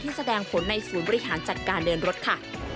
แสดงผลในศูนย์บริหารจัดการเดินรถค่ะ